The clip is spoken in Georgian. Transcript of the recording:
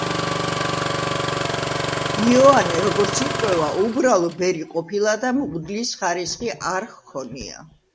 იოანე, როგორც ირკვევა, უბრალო ბერი ყოფილა და მღვდლის ხარისხი არ ჰქონია.